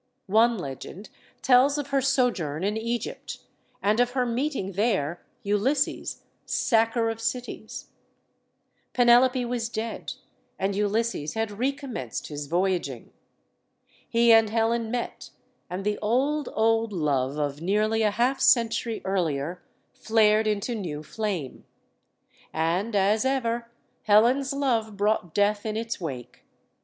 One legend tells of her sojourn in Egypt, and of her meeting, there, Ulysses, "sacker of cities." Pene lope was dead, and Ulysses had recommenced his voyaging. He and Helen met, and the old, old love of nearly a half century earlier flared into new flame. And, as ever, Helen's love brought death in its wake.